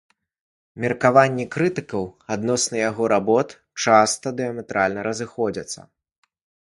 Меркаванні крытыкаў адносна яго работ часта дыяметральна разыходзяцца.